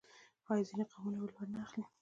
آیا ځینې قومونه ولور نه اخلي؟